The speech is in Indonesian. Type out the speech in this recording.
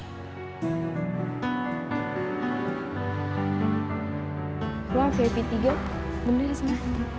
wah vvp tiga bener disana